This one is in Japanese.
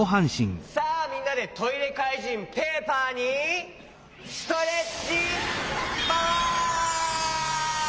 さあみんなでトイレかいじんペーパーにストレッチパワー！